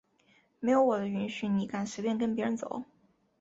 没有我的允许你敢随便跟别人走？！